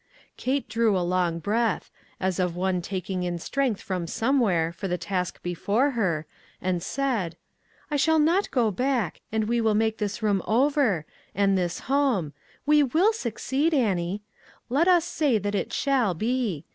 Kate drew a long breath, as of one tak ing in strength from somewhere for the task before her, and said :" I shall not go back, and we will make this room over, and this home ; we will succeed, Annie. Let us say that it shall be.